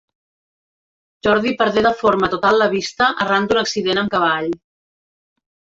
Jordi perdé de forma total la vista arran d'un accident amb cavall.